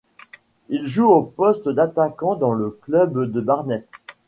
Il joue au poste attaquant dans le club de Barnet.